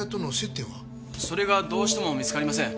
それがどうしても見つかりません。